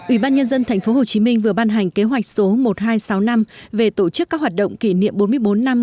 ủy ban nhân dân thành phố hồ chí minh vừa ban hành kế hoạch số một nghìn hai trăm sáu mươi năm về tổ chức các hoạt động kỷ niệm bốn mươi bốn năm